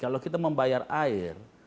kalau kita membayar air